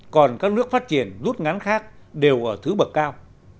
còn các nước phát triển rút ngắn khác đều ở thứ bậc cao